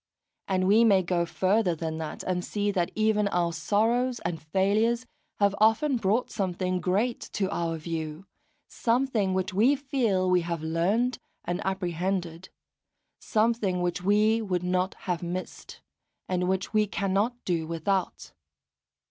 And we may go further than that, and see that even our sorrows and failures have often brought something great to our view, something which we feel we have learned and apprehended, something which we would not have missed, and which we cannot do without.